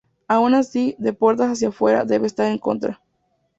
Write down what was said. Aun así, de puertas hacia fuera debe estar en contra.